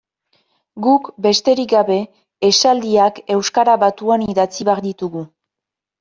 Guk, besterik gabe, esaldiak euskara batuan idatzi behar ditugu.